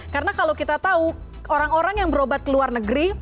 karena kalau kita tahu orang orang yang berobat ke luar negeri